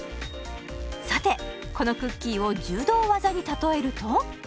さてこのクッキーを柔道技に例えると？